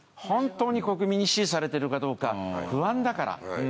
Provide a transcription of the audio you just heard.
本当に国民に支持されてるかどうか不安だから。